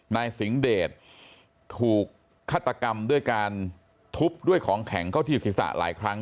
นายสิงเดชถูกฆาตกรรมด้วยการทุบด้วยของแข็งเข้าที่ศีรษะหลายครั้ง